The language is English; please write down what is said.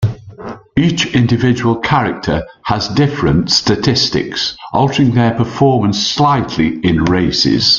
Each individual character has different statistics, altering their performance slightly in races.